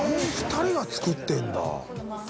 ２人が作ってるんだ。